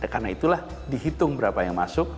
karena itulah dihitung berapa yang masuk